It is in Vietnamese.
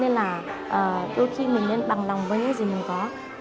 nên là đôi khi mình nên bằng lòng với những gì mình có